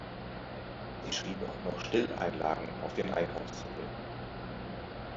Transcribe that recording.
Sie schrieb auch noch Stilleinlagen auf den Einkaufszettel.